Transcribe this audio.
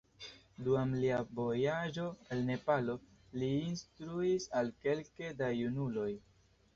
Dum lia vojaĝo al Nepalo, li instruis al kelke da junuloj.